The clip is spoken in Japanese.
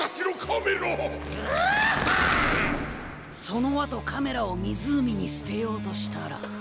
そのあとカメラをみずうみにすてようとしたら。